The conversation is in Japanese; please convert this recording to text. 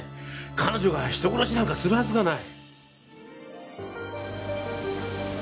彼女が人殺しなんかするはずがない。